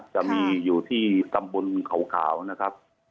จะมีอยู่ที่ตำบลเขาขาวนะครับ